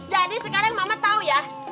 jadi sekarang mama tau ya